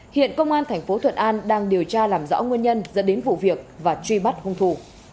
hiện công an thành phố thuận an đang điều tra làm rõ nguyên nhân dẫn đến vụ việc và truy bắt hung thủ